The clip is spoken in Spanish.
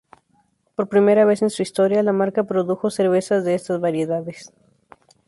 Por primera vez en su historia, la marca produjo cervezas de estas variedades.